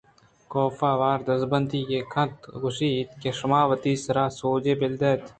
کاف آوان ءَدزبندی ئےکنت ءُگوٛشیت کہ شما وتی سرءُ سوجاں بِلّ اِت